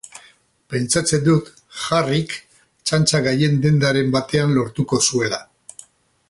Pentsatzen dut Harryk txantxa-gaien dendaren batean lortuko zuela...